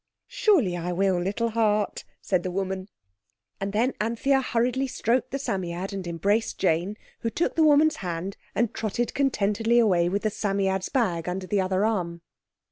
"Surely I will, little heart!" said the woman. And then Anthea hurriedly stroked the Psammead and embraced Jane, who took the woman's hand, and trotted contentedly away with the Psammead's bag under the other arm.